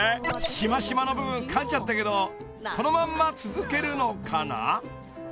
［「しましま」の部分かんじゃったけどこのまんま続けるのかな？］